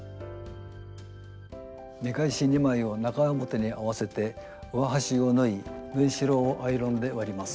見返し２枚を中表に合わせて上端を縫い縫いしろをアイロンで割ります。